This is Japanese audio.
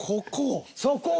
ここ。